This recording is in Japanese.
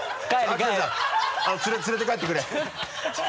連れて帰ってくれ。